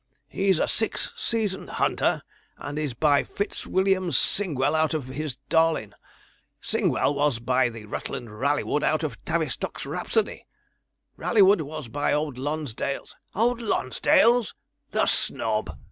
"He's a six season hunter, and is by Fitzwilliam's Singwell out of his Darling. Singwell was by the Rutland Rallywood out of Tavistock's Rhapsody. Rallywood was by Old Lonsdale's " Old Lonsdale's! the snob!'